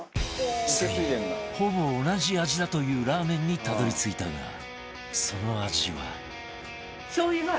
ついにほぼ同じ味だというラーメンにたどり着いたがその味は